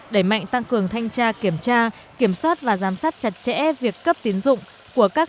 đẩy mạnh tăng cường thanh tra kiểm tra kiểm soát và giám sát chặt chẽ việc cấp tiến dụng của các